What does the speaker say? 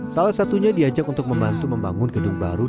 salah satunya diajak untuk membantu membangun gedung baru